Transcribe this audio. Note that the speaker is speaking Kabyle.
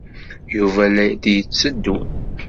Yuba la d-yetteddu.